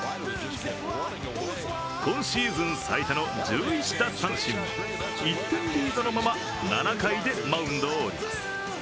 今シーズン最多の１１奪三振１点リードのまま７回でマウンドを降ります。